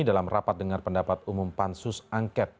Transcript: dalam rapat dengan pendapat umum pansus angket